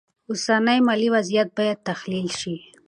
اوسنی مالي وضعیت باید تحلیل شي.